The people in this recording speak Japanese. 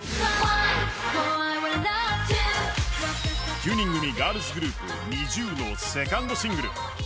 ９人組ガールズグープＮｉｚｉＵのセカンドシングル。